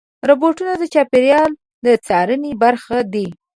روبوټونه د چاپېریال د څارنې برخه دي.